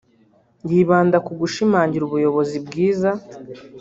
yibanda ku gushimangira ubuyobozi bwiza